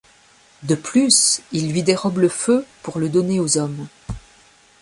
De plus, il lui dérobe le feu pour le donner aux hommes.